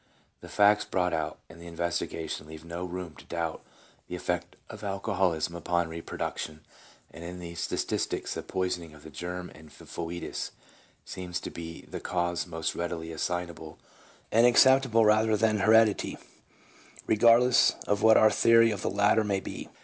The facts brought out in the investigation leave no room to doubt the effect of alcoholism upon reproduction, and in these statistics the poisoning of the germ and the foetus seems to be the cause most readily assignable and acceptable, rather than heredity, re gardless of what our theory of the latter may be.